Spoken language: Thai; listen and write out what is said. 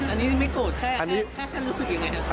อันนี้ไม่โกรธแค่รู้สึกอย่างไร